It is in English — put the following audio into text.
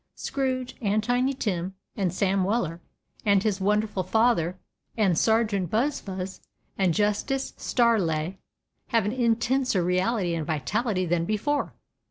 Scrooge, and Tiny Tim, and Sam Weller and his wonderful father, and Sergeant Buzfuz, and Justice Stareleigh have an intenser reality and vitality than before.